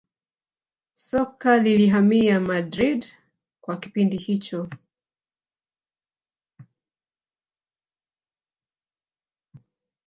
soka lilihamia madrid kwa kipindi hicho